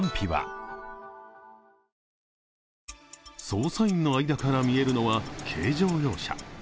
捜査員の間から見えるのは軽乗用車。